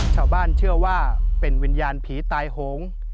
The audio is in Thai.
ชาวบ้านเชื่อว่าเป็นวิญญาณผีตายโหง